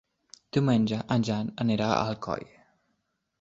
Diumenge en Jan anirà a Alcoi.